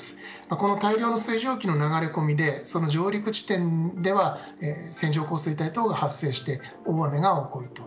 この大量の水蒸気の流れ込みで上陸地点では線状降水帯等が発生して大雨が起こる。